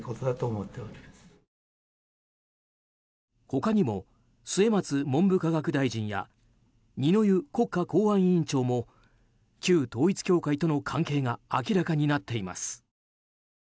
他にも末松文部科学大臣や二之湯国家公安委員長も旧統一教会との関係が明らかになっています。